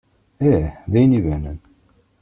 Ih, d ayen ibanen.